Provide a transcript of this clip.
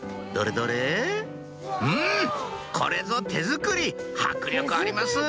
どれうんこれぞ手作り迫力あります